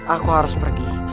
aku harus pergi